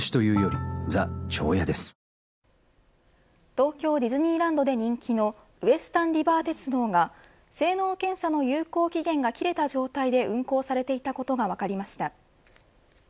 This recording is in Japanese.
東京ディズニーランドで人気のウエスタンリバー鉄道が性能検査の有効期限が切れた状態で運行されていたことが分かりました。